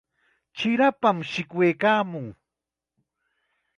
Chirapam shikwaykaamun.